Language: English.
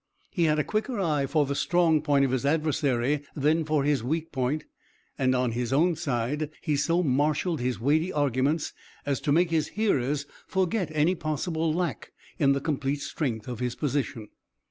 He had a quicker eye for the strong point of his adversary than for his weak point, and on his own side he so marshalled his weighty arguments as to make his hearers forget any possible lack in the complete strength of his position.